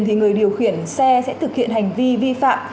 thì người điều khiển xe sẽ thực hiện hành vi vi phạm